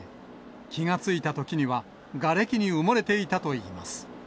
気が付いたときには、がれきに埋もれていたといいます。